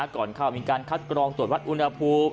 ก่อนเข้ามีการคัดกรองตรวจวัดอุณหภูมิ